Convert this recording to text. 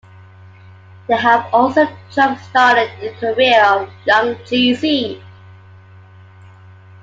They have also jump-started the career of Young Jeezy.